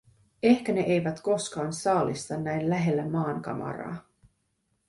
Ehkä ne eivät koskaan saalista näin lähellä maankamaraa.